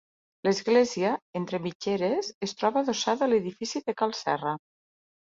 L'església, entre mitgeres, es troba adossada a l'edifici de Cal Serra.